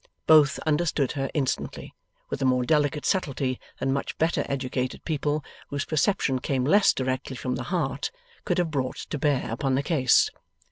Both understood her instantly, with a more delicate subtlety than much better educated people, whose perception came less directly from the heart, could have brought to bear upon the case.